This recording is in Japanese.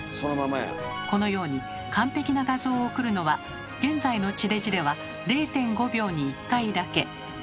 このように完璧な画像を送るのは現在の地デジでは０．５秒に１回だけ。